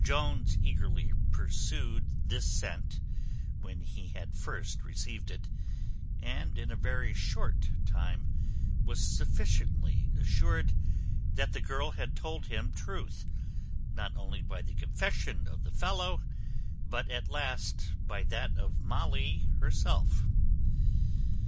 Jones eagerly pursued this scent when he had first received it; and in a very short time was sufficiently assured that the girl had told him truth, not only by the confession of the fellow, but at last by that of Molly herself.